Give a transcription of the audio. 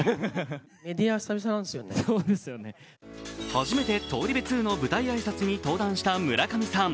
初めて「東リベ２」の舞台挨拶に登壇した村上さん。